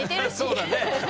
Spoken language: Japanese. そうだね。